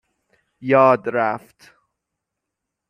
یاد رفت